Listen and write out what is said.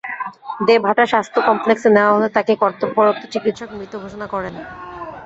দেবহাটা স্বাস্থ্য কমপ্লেক্সে নেওয়া হলে তাঁকে কর্তব্যরত চিকিত্সক মৃত ঘোষণা করেন।